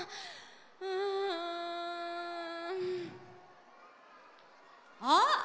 うん。あっ！